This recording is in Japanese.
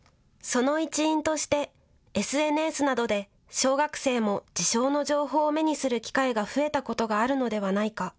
その一因としてＳＮＳなどで小学生も自傷の情報を目にする機会が増えたことがあるのではないか。